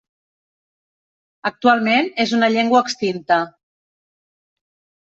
Actualment és una llengua extinta.